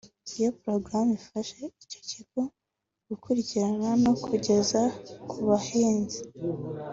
Iyo porogaramu ifasha icyo kigo mu gukurikirana no kugeza ku bahinzi